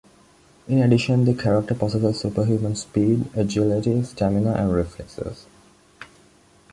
In addition the character possesses superhuman speed, agility, stamina, and reflexes.